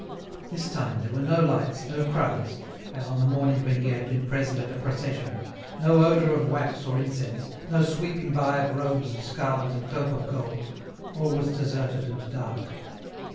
This time there were no lights, no crowds, as on the morning when he had been present at a Procession, no odour of wax or incense, no sweeping by of robes of scarlet and cope of gold, all was deserted and dark.